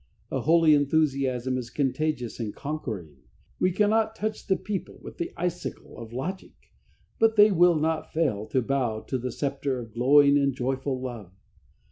A holy enthusiasm is contagious and conquering. We cannot touch the people with the icicle of logic; but they will not fail to bow to the scepter of glowing and joyful love.